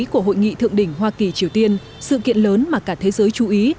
của hội nghị thượng đỉnh hoa kỳ triều tiên sự kiện lớn mà cả thế giới chú ý